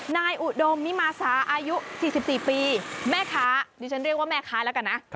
อุดมมิมาสาอายุ๔๔ปีแม่ค้าดิฉันเรียกว่าแม่ค้าแล้วกันนะ